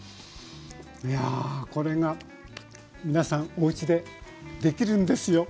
いやあこれが皆さんおうちでできるんですよ。